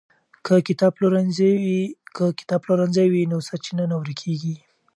که کتابپلورنځی وي نو سرچینه نه ورکېږي.